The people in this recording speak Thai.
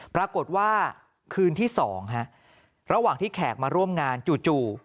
ปรากฏว่าคืนที่๒ระหว่างที่แขกมาร่วมงานจู่